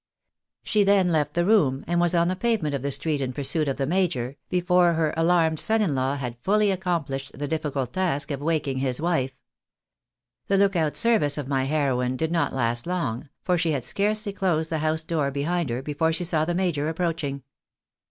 She then left the room, and was on the pavement of the street in pursuit of the major, before her alarmed son in law had fully accomplished the difficult task of waking his wife. The look out service of my heroine did not last long, for she had scarcely closed the house door behind her before she saw the major approaching.